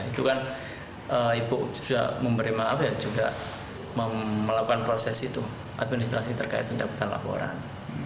itu kan ibu sudah memberi maaf ya juga melakukan proses itu administrasi terkait pencabutan laporan